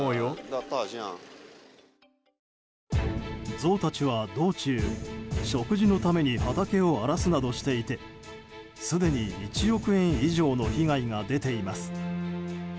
ゾウたちは道中、食事のために畑を荒らすなどしていてすでに１億円以上の被害が出ています。